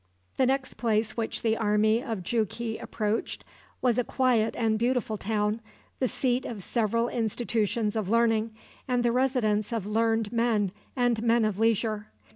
The next place which the army of Jughi approached was a quiet and beautiful town, the seat of several institutions of learning, and the residence of learned men and men of leisure.